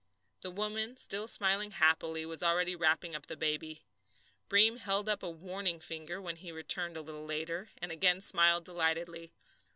The woman, still smiling happily, was already wrapping up the baby. Breem held up a warning finger when he returned a little later, and again smiled delightedly.